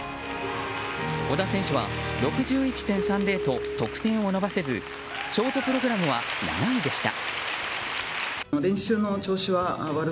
織田選手は、６１．３０と得点を伸ばせずショートプログラムは７位でした。